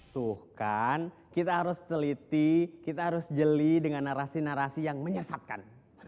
tuh kan kita harus teliti kita harus jeli dengan narasi narasi yang menyesatkan